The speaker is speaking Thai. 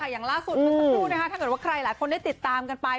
อย่างล่าสุดเมื่อสักครู่ถ้าเกิดว่าใครหลายคนได้ติดตามกันไป